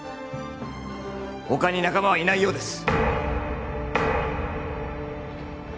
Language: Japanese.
他に仲間はいないようです